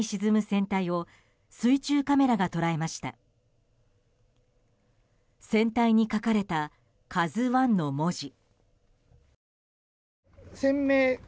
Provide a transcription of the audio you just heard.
船体に書かれた「ＫＡＺＵ１」の文字。